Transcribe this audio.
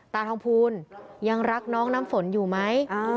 ตาทองภูลยังรักน้องน้ำฝนอยู่ไหม